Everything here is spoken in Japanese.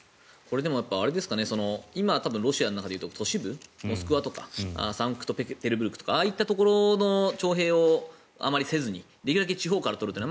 でも、今ロシアで言うと都市部モスクワとかサンクトペテルブルクとかああいったところの徴兵をあまりせずにできるだけ地方から取ると。